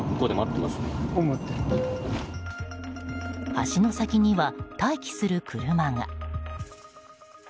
橋の先には待機する車が。